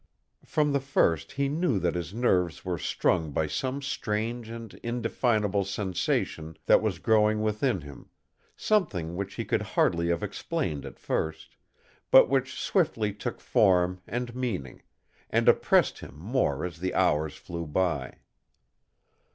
From the first he knew that his nerves were strung by some strange and indefinable sensation that was growing within him something which he could hardly have explained at first, but which swiftly took form and meaning, and oppressed him more as the hours flew by.